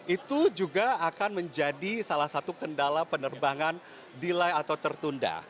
itu juga akan menjadi salah satu kendala penerbangan delay atau tertunda